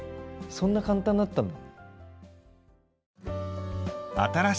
そんな簡単だったんだ。